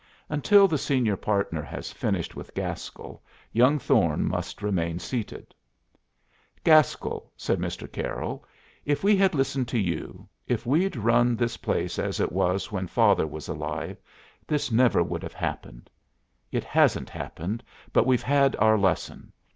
Until the senior partner has finished with Gaskell young Thorne must remain seated. "Gaskell," said Mr. Carroll, "if we had listened to you, if we'd run this place as it was when father was alive, this never would have happened. It hasn't happened, but we've had our lesson.